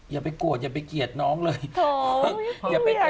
อย่าไปโกรธอย่าไปเกลียดน้องเลย